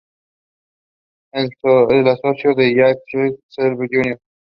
Se asoció con Zack Sable Jr.